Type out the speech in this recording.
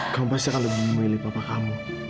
kamu pasti akan lebih memilih bapak kamu